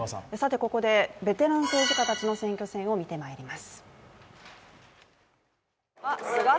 ここでベテラン政治家たちの選挙戦を見てまいります。